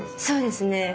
そうですね。